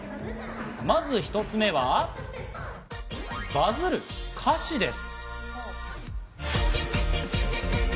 まず１つ目は、バズる歌詞です。